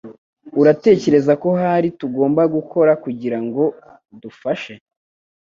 Uratekereza ko hari icyo tugomba gukora kugirango dufashe ?